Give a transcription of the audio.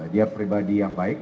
dia pribadi yang baik